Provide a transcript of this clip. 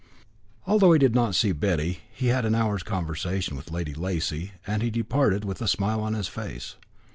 Although he did not see Betty, he had an hour's conversation with Lady Lacy, and he departed with a smile on his face.